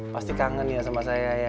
pasti kangen ya sama saya ya